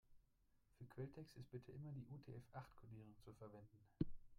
Für Quelltext ist bitte immer die UTF-acht-Kodierung zu verwenden.